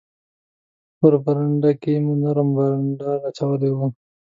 په برنډه کې مو نرم بانډار اچولی وو.